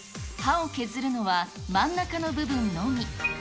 刃を削るのは真ん中の部分のみ。